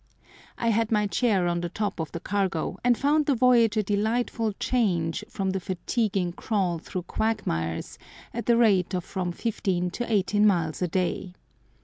I had my chair on the top of the cargo, and found the voyage a delightful change from the fatiguing crawl through quagmires at the rate of from 15 to 18 miles a day.